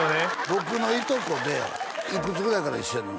僕のいとこでいくつぐらいから一緒やの？